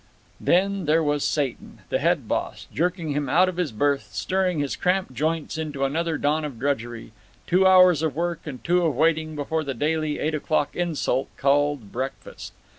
Then, there was Satan, the head boss, jerking him out of his berth, stirring his cramped joints to another dawn of drudgery—two hours of work and two of waiting before the daily eight o'clock insult called breakfast.